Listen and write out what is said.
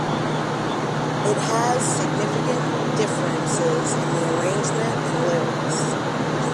It has significant differences in the arrangement and lyrics.